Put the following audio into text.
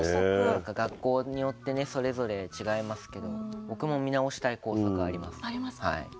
学校によってそれぞれ違いますけど僕も見直したい校則あります。